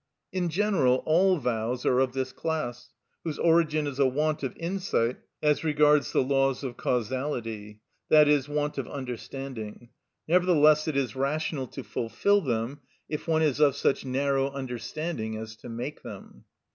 In general all vows are of this class, whose origin is a want of insight as regards the law of causality, i.e., want of understanding; nevertheless it is rational to fulfil them if one is of such narrow understanding as to make them.